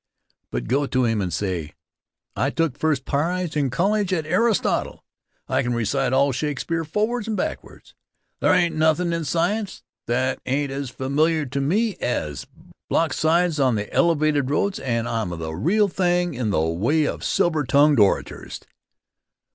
But go to him and say: "I took first prize at college in Aristotle; I can recite all Shakespeare forwards and backwards; there ain't nothin' in science that ain't as familiar to me as blockades on the elevated roads and I'm the real thing in the way of silver tongued orators."